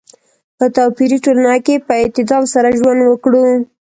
په توپیري ټولنه کې په اعتدال سره ژوند وکړو.